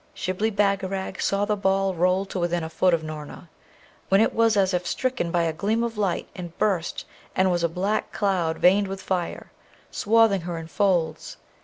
Shibli Bagarag saw the ball roll to within a foot of Noorna, when it was as if stricken by a gleam of light, and burst, and was a black cloud veined with fire, swathing her in folds.